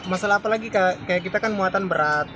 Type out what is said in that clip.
masalah apalagi kayak kita kan muatan berat